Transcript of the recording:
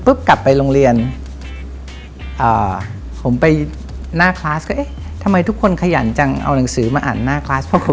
ผมไปเรียนครั้งแรก